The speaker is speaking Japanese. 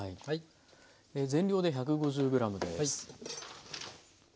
全量で１５０ｇです。